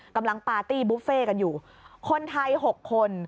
ปาร์ตี้บุฟเฟ่กันอยู่คนไทย๖คน